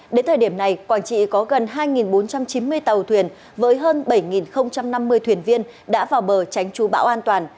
đến thời điểm này quảng trị có gần hai bốn trăm chín mươi tàu thuyền với hơn bảy năm mươi thuyền viên đã vào bờ tránh trú bão an toàn